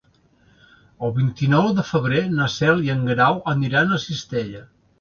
El vint-i-nou de febrer na Cel i en Guerau aniran a Cistella.